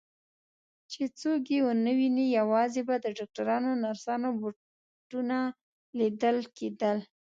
چې څوک یې ونه ویني، یوازې به د ډاکټرانو او نرسانو بوټونه لیدل کېدل.